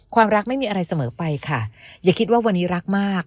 รักไม่มีอะไรเสมอไปค่ะอย่าคิดว่าวันนี้รักมาก